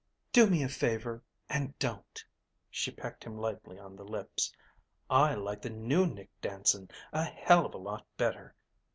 "Do me a favor and don't." She pecked him lightly on the lips. "I like the new Nick Danson a hell of a lot better.